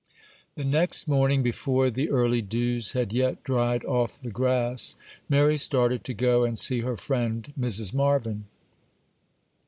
THE next morning, before the early dews had yet dried off the grass, Mary started to go and see her friend Mrs. Marvyn.